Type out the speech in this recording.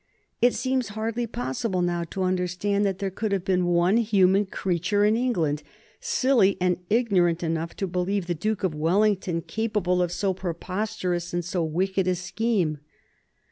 It seems hardly possible now to understand that there could have been one human creature in England silly and ignorant enough to believe the Duke of Wellington capable of so preposterous and so wicked a scheme.